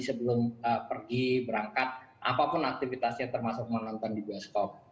sebelum pergi berangkat apapun aktivitasnya termasuk menonton di bioskop